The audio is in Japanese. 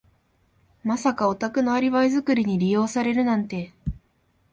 まさかお宅のアリバイ作りに利用されるなんて。